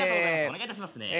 お願いいたしますね。